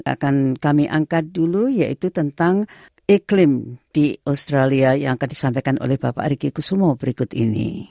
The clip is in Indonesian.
akan kami angkat dulu yaitu tentang iklim di australia yang akan disampaikan oleh bapak riki kusumo berikut ini